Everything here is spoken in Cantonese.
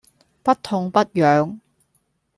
不痛不癢